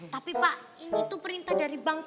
tapi pak ini tuh perintah dari bank